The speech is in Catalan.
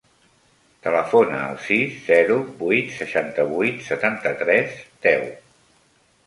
Telefona al sis, zero, vuit, seixanta-vuit, setanta-tres, deu.